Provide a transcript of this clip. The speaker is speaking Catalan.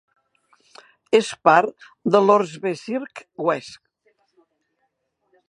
És part de l'"Ortsbezirk West".